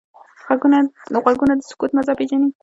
غوږونه د سکوت مزه پېژني